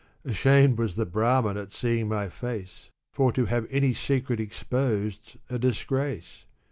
Ashamed was the Brahmin at seeing my face — For to have any secret exposed 's a disgrace.